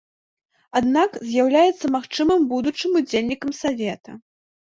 Аднак з'яўляецца магчымым будучым удзельнікам савета.